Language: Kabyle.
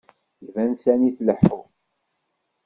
Iban sani tleḥḥu.